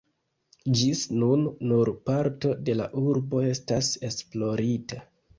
Ĝis nun, nur parto de la urbo estas esplorita.